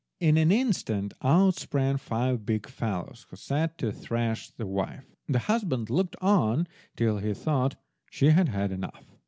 In an instant out sprang five big fellows, who set to to thrash the wife. The husband looked on till he thought she had had enough.